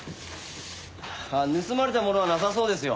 盗まれたものはなさそうですよ。